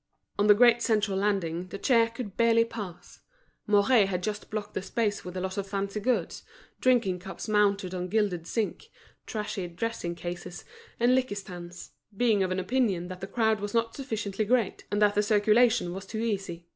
On the great central landing, the chair, could barely pass. Mouret had just blocked the space with a lot of fancy goods, drinking cups mounted on gilded zinc, trashy dressing cases and liqueur stands, being of opinion that the crowd was not sufficiently great, and that circulation was too easy.